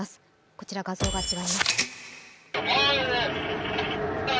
こちら、画像が違います。